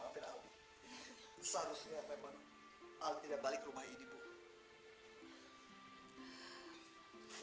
seharusnya aku tidak balik rumah ini ibu